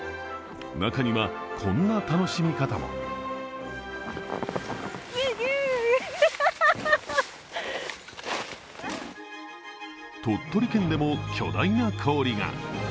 中にはこんな楽しみ方も鳥取県でも巨大な氷が。